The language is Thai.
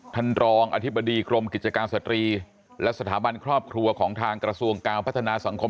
ท่านรองอธิบดีกรมกิจการสตรีและสถาบันครอบครัวของทางกระทรวงการพัฒนาสังคม